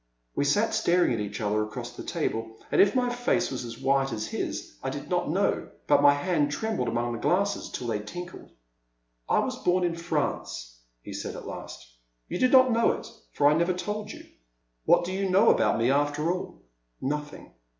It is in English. We sat staring at each other across the table, and if my face was as white as his I do not know, but my hand trembled among the glasses till they tinkled. " I was bom in France," hesaidatlast. " You did not know it, for I never told you. What do 124 The Silent Land. you know about me after all ? Nothing.